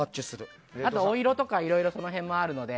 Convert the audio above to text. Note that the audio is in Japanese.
お色とかいろいろその辺もあるので。